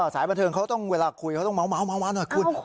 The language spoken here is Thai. สายบันเทิงเขาต้องเวลาคุยเขาต้องเมาหน่อยคุณ